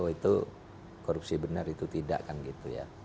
oh itu korupsi benar itu tidak kan gitu ya